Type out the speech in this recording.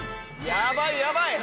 やばいやばい！